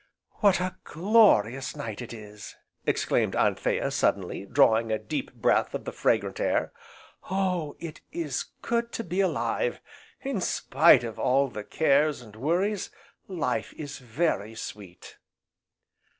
"What a glorious night it is!" exclaimed Anthea suddenly, drawing a deep breath of the fragrant air, "Oh! it is good to be alive! In spite of all the cares, and worries, life is very sweet!"